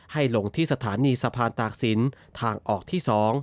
ให้ลงที่สถานีสะพานตากศิลป์ทางออกที่๒